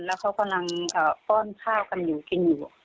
แล้วเขากำลังป้อนข้าวกันอยู่กินอยู่